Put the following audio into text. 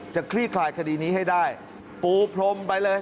คลี่คลายคดีนี้ให้ได้ปูพรมไปเลย